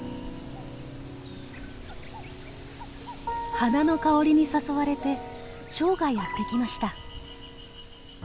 花の香りに誘われてチョウがやって来ました。